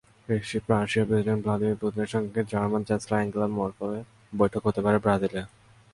রাশিয়ার president Vladimir পুতিনের সঙ্গে জার্মান চ্যান্সেলর আঙ্গেলা ম্যার্কেলের বৈঠক হতে পারে ব্রাজিলে।